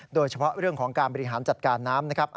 โดยเฉพาะเรื่องของการบริหารจัดการน้ำนะครับ